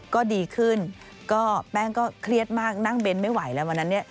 ก็ดีขึ้นก็แป้งก็เครียดมากนั่งเน้นไม่ไหวแล้ววันนั้นเนี่ย